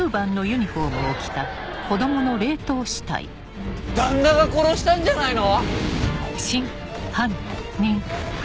あぁ‼旦那が殺したんじゃないの？